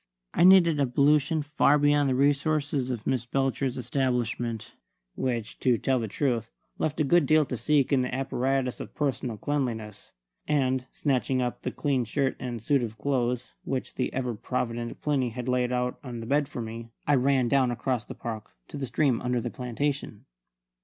I needed ablution far beyond the resources of Miss Belcher's establishment, which, to tell the truth, left a good deal to seek in the apparatus of personal cleanliness; and, snatching up the clean shirt and suit of clothes which the ever provident Plinny had laid out on the bed for me, I ran down across the park to the stream under the plantation.